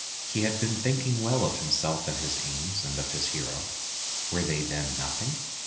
He had been thinking well of himself and his aims and of his hero. Were they, then, nothing